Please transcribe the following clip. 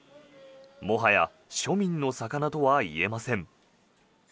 もはや庶民の魚とは言えません。